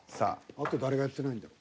あと誰がやってないんだ？